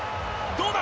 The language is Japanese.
どうだ？